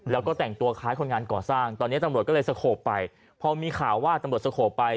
แล้วก็แต่งตัวคล้ายคนงานก่อสร้างตอนนี้ตำรวจก็เลยสโขบไปพอมีข่าวว่าตำรวจสโขบไป